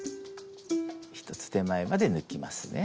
１つ手前まで抜きますね。